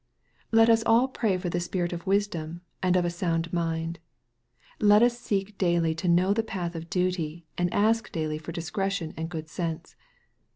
* Let us all pray for the Spirit of wisdom and of a sound mind. Let us seek daily to know the path of duty, and ask daily for discretion and good sense.